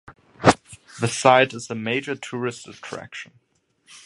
The site is a major tourist attraction.